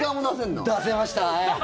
出せました。